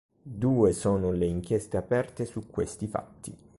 Due sono le inchieste aperte su questi fatti.